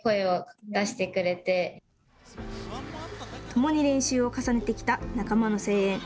共に練習を重ねてきた仲間の声援。